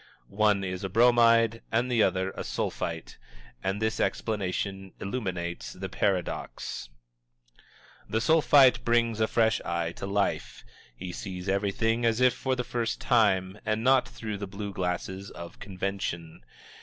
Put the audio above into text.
One is a Bromide and the other a Sulphite and this explanation illuminates the paradox. The Sulphite brings a fresh eye to life. He sees everything as if for the first time, and not through the blue glasses of convention.